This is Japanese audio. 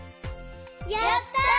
やった！